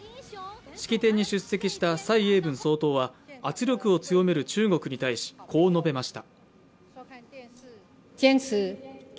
式典に出席した蔡英文総統は圧力を強める中国に対し、こう述べました。